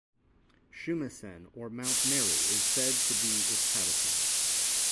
Shumisen or Mount Meru is said to be its habitat.